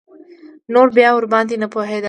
نور بيا ورباندې نه پوهېدم.